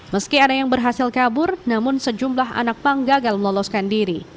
meski ada yang berhasil kabur namun sejumlah anak pang gagal meloloskan diri